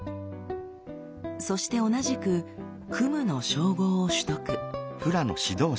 そして同じく「クム」の称号を取得。